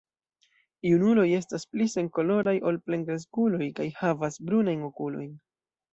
Junuloj estas pli senkoloraj ol plenkreskuloj kaj havas brunajn okulojn.